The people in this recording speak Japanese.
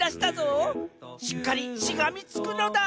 しっかりしがみつくのだ！